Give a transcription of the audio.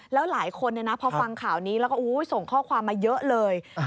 แล้วหลายคนพอฟังข่าวนี้แล้วก็ส่งข้อความมาเยอะเลย